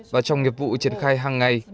và trong nghiệp vụ triển khai hàng ngày